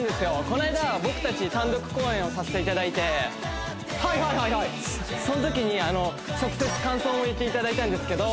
この間僕たち単独公演をさせていただいてそのときに直接感想も言っていただいたんですけど